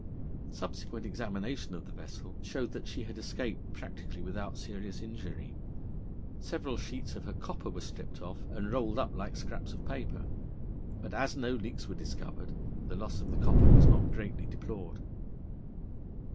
Subsequent examination of the vessel showed that she had escaped practically without serious injury. Several sheets of her copper were stripped off and rolled up like scraps of paper; but as no leaks were discovered, the loss of the copper was not greatly deplored.